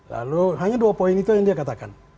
lalu hanya dua poin itu yang dia katakan